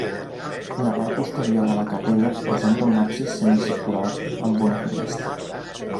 La part posterior de la capella presenta un absis semicircular amb una finestra.